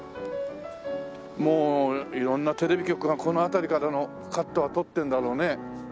もう色んなテレビ局がこの辺りからのカットは撮ってるんだろうね。